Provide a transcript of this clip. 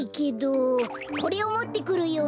これをもってくるようにって。